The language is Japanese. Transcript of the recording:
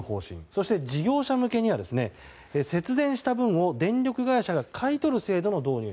そして事業者に向けには節電した分を電力会社が買い取る制度の導入。